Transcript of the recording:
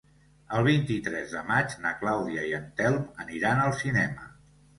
El vint-i-tres de maig na Clàudia i en Telm aniran al cinema.